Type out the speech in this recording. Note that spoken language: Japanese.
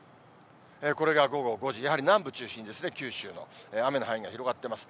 これが午後５時、やはり南部中心ですね、九州、雨の範囲が広がってます。